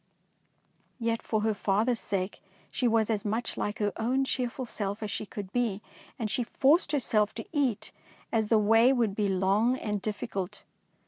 Yet for her father's sake she was as much like her own cheerful self as she could be, and she forced herself to eat, as the way would be long and difficult.